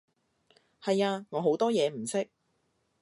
係啊，我好多嘢唔識